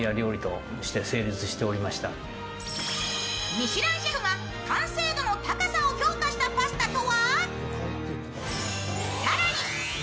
ミシュランシェフが完成度の高さを評価したパスタとは？